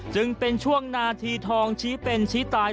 จึงเป็นช่วงนาทีทองชี้เป็นชี้ตาย